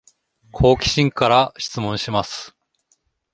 好奇心から質問します